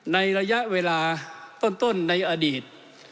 ในระยะเวลาต้นในอดีต